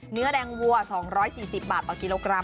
เนื้อแดงวัว๒๔๐บาทต่อกิโลกรัม